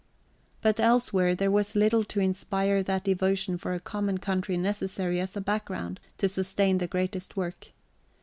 But elsewhere there was little to inspire that devotion for a common country necessary as a background to sustain the greatest work.